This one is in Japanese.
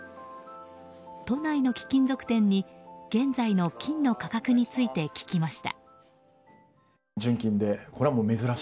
都内の貴金属店に現在の金の価格について聞きました。